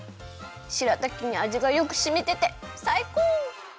しらたきにあじがよくしみててさいこう！